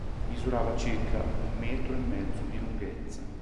Misurava circa un metro e mezzo di lunghezza.